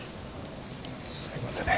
すいません